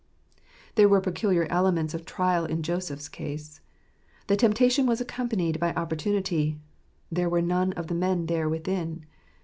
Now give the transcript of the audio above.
There were peculiar elements of trial in Joseph* s case. The temptation was accompanied by opportunity :" there were none of the men there within."